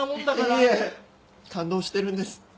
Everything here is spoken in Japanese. いえ感動してるんです